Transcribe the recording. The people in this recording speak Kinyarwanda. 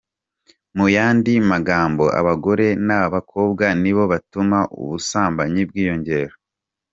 Mu yandi magambo, abagore n’abakobwa nibo batuma ubusambanyi bwiyongera.